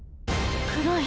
黒い。